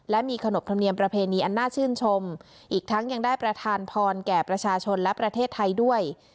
และมีขนบธรรมเนียมประเพณีอันน่าชื่นชมอีกทั้งยังได้ประธานพรแก่ประชาชนและประเทศไทยด้วย